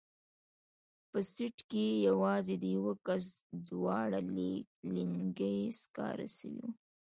په سيټ کښې يې يوازې د يوه کس دواړه لينگي سکاره سوي وو.